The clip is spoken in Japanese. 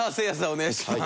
お願いします。